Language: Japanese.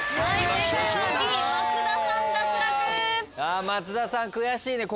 あ松田さん悔しいね。